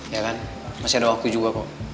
ya kan masih ada waktu juga kok